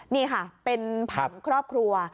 นี่ค่ะเป็นผังครอบครัว